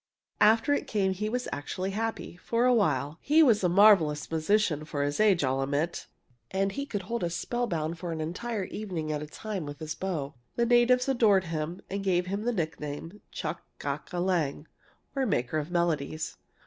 After it came he was actually happy for a while. He was a marvelous musician for his age, I'll admit, and he could hold us spellbound an entire evening at a time with his bow. The natives adored him, and gave him the name 'Chok gàk ê lâng' or 'maker of melodies.'